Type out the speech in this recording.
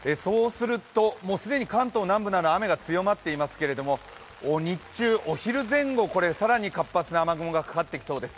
既に関東南部などは雨が強まっていますけども、日中、お昼前後、更に活発な雨雲がかかってきそうです。